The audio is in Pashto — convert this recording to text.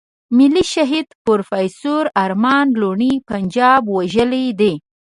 ملي شهيد پروفېسور ارمان لوڼی پنجاب وژلی دی.